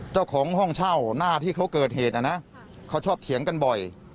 เจ้าของห้องเช่าหน้าที่เขาเกิดเหตุนะนะเขาชอบเถียงกันบ่อย